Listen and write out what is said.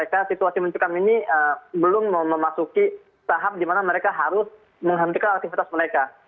karena situasi mencekam ini belum memasuki tahap di mana mereka harus menghentikan aktivitas mereka